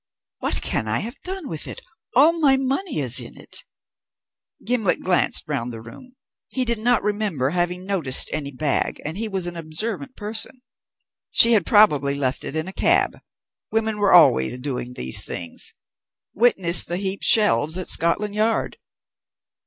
"What can I have done with it? All my money is in it." Gimblet glanced round the room. He did not remember having noticed any bag, and he was an observant person. She had probably left it in a cab. Women were always doing these things. Witness the heaped shelves at Scotland Yard.